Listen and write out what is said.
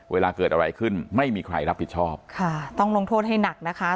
เวลาเกิดอะไรขึ้นไม่มีใครรับผิดชอบค่ะต้องลงโทษให้หนักนะคะ